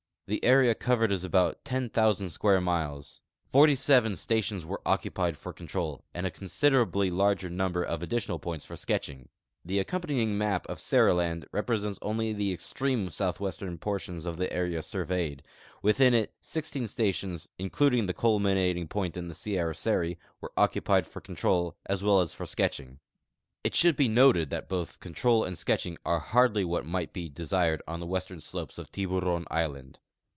The area covered is about 10,000 square miles; 47 stations were occupied for control, and a con siderabl.y larger number of additional jioints for sketching. The acconqianying map of Seriland represents only the extreme southwestern portion of the area surveyed ; ivithin it 16 stations (including the culminating point in Sierra Seri) Avere occupied for control as Avell as for sketching. It should be noted that both control and sketching are hardly Avhat might be desired on the Avestern slojies of Tihuron island.